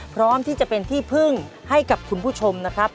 พร้อมที่จะเป็นที่พึ่งให้กับคุณผู้ชมนะครับ